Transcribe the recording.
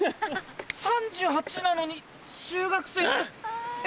３８歳なのに中学生え！